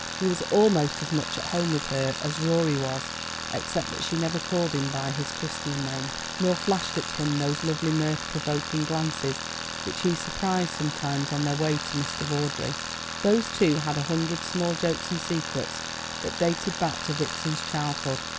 He was almost as much at home with her as Rorie was, except that she never called him by his christian name, nor flashed at him those lovely mirth provoking glances which he surprised sometimes on their way to Mr. Vawdrey. Those two had a hundred small jokes and secrets that dated back to Vixen's childhood.